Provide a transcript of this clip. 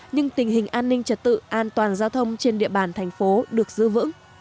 nhưng tình hình an ninh trật tự an toàn giao thông trên địa bàn thành phố được giữ vững